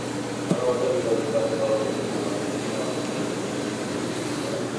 মানবতাবিরোধী কার্যকলাপের জন্য আমাদের দেশের মানুষেরা বিপর্যয়ের মধ্য দিয়ে দিন কাটাচ্ছে।